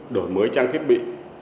đổi mới trang thiết bị